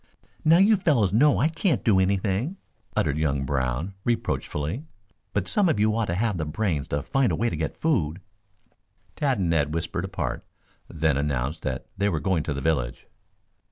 "Now, you fellows know I can't do anything," uttered young Brown reproachfully. "But some of you ought to have the brains to find a way to get food." Tad and Ned whispered apart, then announced that they were going to the village.